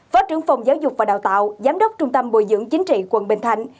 phó trưởng phòng giáo dục và đào tạo giám đốc trung tâm bồi dưỡng chính trị quận bình thạnh